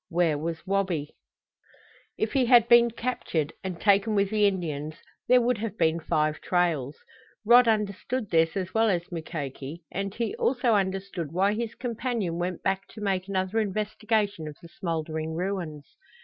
Where was Wabi? If he had been captured, and taken with the Indians, there would have been five trails. Rod understood this as well as Mukoki, and he also understood why his companion went back to make another investigation of the smoldering ruins.